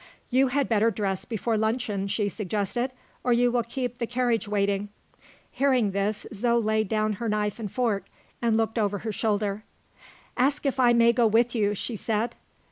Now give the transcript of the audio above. "You had better dress before luncheon," she suggested, "or you will keep the carriage waiting." Hearing this, Zo laid down her knife and fork, and looked over her shoulder. "Ask if I may go with you," she said.